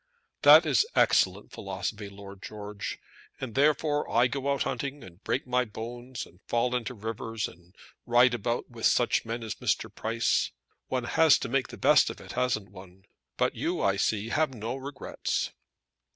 "That is excellent philosophy, Lord George. And therefore I go out hunting, and break my bones, and fall into rivers, and ride about with such men as Mr. Price. One has to make the best of it, hasn't one? But you, I see, have no regrets."